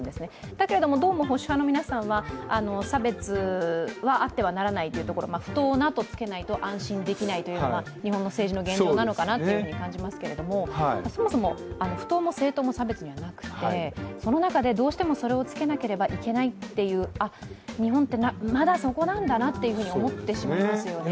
だけれどもどうも保守派の皆さんは差別はあってはならないというところ、「不当な」とつけないと安心できないというのが日本の政治の現状なのかなと感じますけどそもそも不当も正当も差別ではなくてその中で、どうしてもそれをつけなければいけないというあっ、日本ってまだそこなんだなって思ってしまいますよね。